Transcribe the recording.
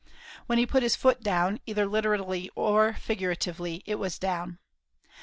When he put his foot down, either literally of figuratively, it was down.